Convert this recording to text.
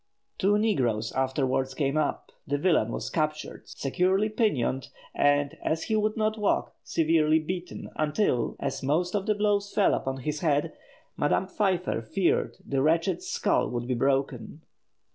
Two negroes afterwards came up; the villain was captured, securely pinioned, and, as he would not walk, severely beaten, until, as most of the blows fell upon his head, Madame Pfeiffer feared the wretch's skull would be broken.